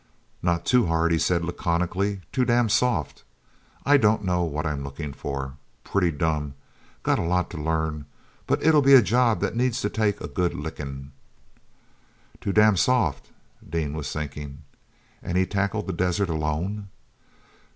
"Not too hard," he said laconically; "too damn soft! I don't know what I'm looking for—pretty dumb: got a lot to learn!—but it'll be a job that needs to take a good licking!" "'Too damn soft!'" Dean was thinking. "And he tackled the desert alone!"